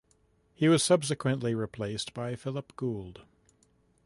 He was subsequently replaced by Phil Gould.